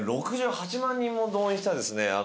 ６８万人も動員したですね